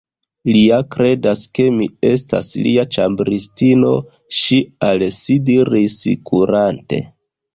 "Li ja kredas ke mi estas lia ĉambristino," ŝi al si diris, kurante.